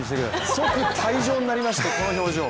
即退場になりましてこの表情。